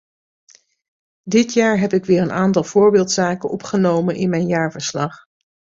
Dit jaar heb ik weer een aantal voorbeeldzaken opgenomen in mijn jaarverslag.